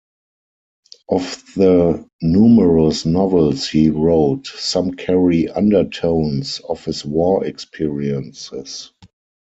Of the numerous novels he wrote, some carry undertones of his war experiences.